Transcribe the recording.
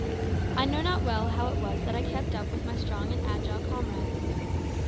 I know not well how it was that I kept up with my strong and agile comrades.